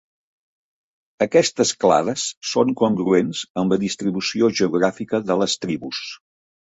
Aquests clades són congruents amb la distribució geogràfica de les tribus.